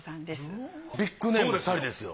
ビッグネームの２人ですよ。